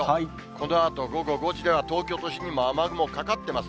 このあと午後５時では、東京都心にも雨雲かかってます。